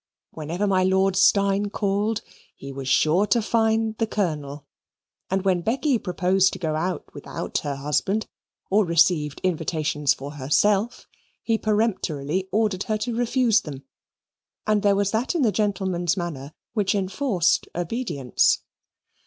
Whenever my Lord Steyne called, he was sure to find the Colonel. And when Becky proposed to go out without her husband, or received invitations for herself, he peremptorily ordered her to refuse them: and there was that in the gentleman's manner which enforced obedience.